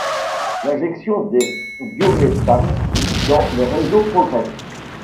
L'injection de biométhane dans les réseaux progresse.